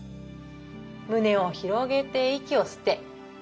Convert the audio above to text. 胸を広げて息を吸って。